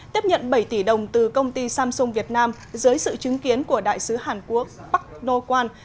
tiếp nhận bảy tỷ đồng từ công ty samsung việt nam dưới sự chứng kiến của đại sứ hàn quốc park noh kan